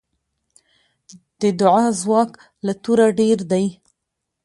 د دعا ځواک له توره ډېر دی.